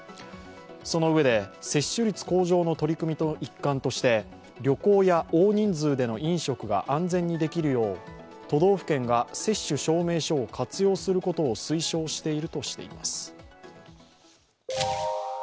そのうえで、接種率向上の取り組みの一環として旅行や大人数での飲食が安全にできるよう都道府県が接種証明書を活用することを推奨しているとしています。